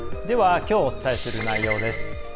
ではきょうお伝えする内容です。